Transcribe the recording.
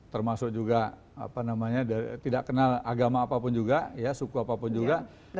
termasuk juga tidak kenal agama apapun juga suku apapun juga